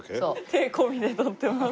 手込みで撮ってます。